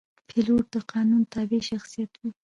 پیلوټ د قانون تابع شخصیت وي.